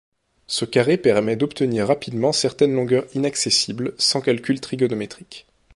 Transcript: Ce carré permet d'obtenir rapidement certaines longueurs inaccessibles, sans calcul trigonométrique.